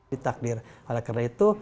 di takdir oleh karena itu